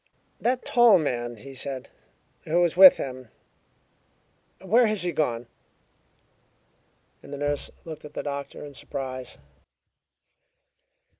"That tall man," he said, "who was with him: where has he gone?" The nurse looked at the doctor in surprise.